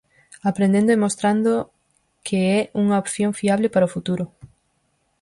Aprendendo e mostrando que é unha opción fiable para o futuro.